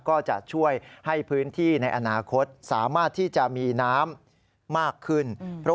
ก็จะช่วยให้พื้นที่ในอนาคตสามารถที่จะมีน้ำมากขึ้น